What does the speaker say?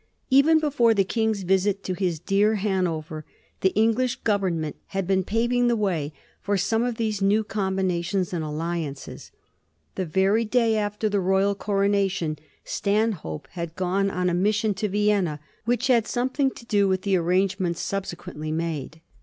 Even before the King's visit to his dear Hanover the English Government had been paving the way for some of these new combinations and alliances. The very day after the royal corona tion Stanhope had gone on a mission to Vienna which had something to do with the arrangements subse quently made.